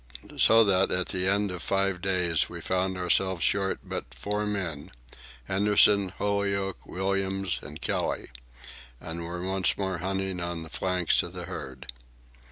So that, at the end of five days, we found ourselves short but four men—Henderson, Holyoak, Williams, and Kelly,—and were once more hunting on the flanks of the herd.